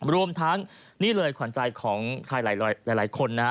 รวมทั้งนี่เลยขวัญใจของใครหลายคนนะ